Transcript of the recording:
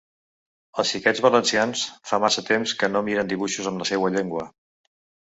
El xiquets valencians fa massa temps que no miren dibuixos en la seua llengua.